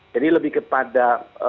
jadi lebih kepada